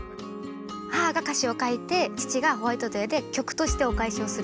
母が歌詞を書いて父がホワイトデーで曲としてお返しをする。